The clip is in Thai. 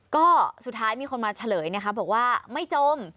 ก็สุดท้ายมีคนมาเฉลยนะคะบอกว่าไม่จม